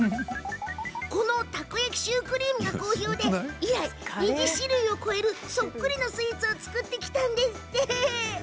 このたこ焼きシュークリームが好評で、以来２０種類を超えるそっくりのスイーツを作ってきたんですって。